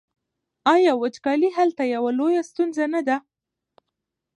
آیا وچکالي هلته یوه لویه ستونزه نه ده؟